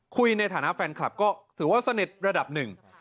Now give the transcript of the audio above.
คุยในฐานะแฟนคลับก็ถือว่าสนิทระดับหนึ่ง